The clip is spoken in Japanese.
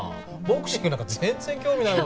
ボクシングなんか全然興味ないもん僕。